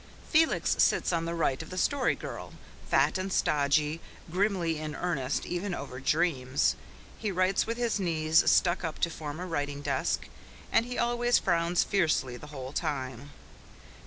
Felix sits on the right of the Story Girl, fat and stodgy, grimly in earnest even over dreams. He writes with his knees stuck up to form a writing desk, and he always frowns fiercely the whole time.